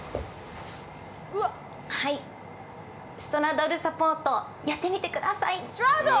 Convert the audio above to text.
はい、ストラドル・サポートやってみてください！